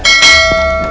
terima kasih pak